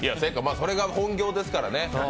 それが本業ですからね。